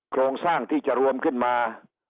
โครงสร้างที่จะรวมขึ้นมา